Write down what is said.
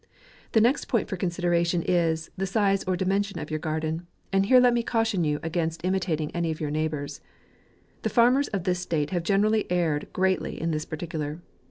The next point for consideration is. the size or dimension of your garden ; and here let me caution you against imitating any of your neighbours. The farmers of this state have generally erred greatly in this particu lar.